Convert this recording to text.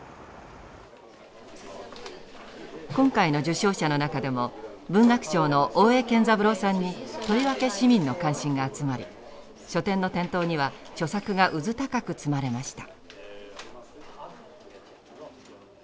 今回の受賞者の中でも文学賞の大江健三郎さんにとりわけ市民の関心が集まり書店の店頭には著作がうずたかく積まれました。